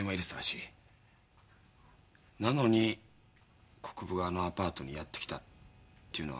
なのに国府があのアパートにやって来たっていうのは。